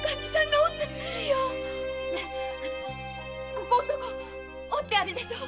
ここんとこ折ってあるでしょ？